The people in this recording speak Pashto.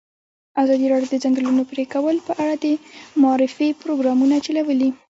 ازادي راډیو د د ځنګلونو پرېکول په اړه د معارفې پروګرامونه چلولي.